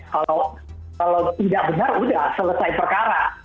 kalau tidak benar sudah selesai perkara